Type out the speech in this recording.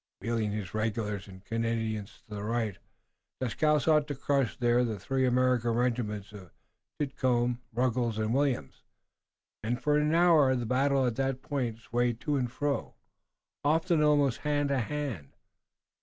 Wheeling his regulars and Canadians to the right, Dieskau sought to crush there the three American regiments of Titcomb, Ruggles and Williams, and for an hour the battle at that point swayed to and fro, often almost hand to hand.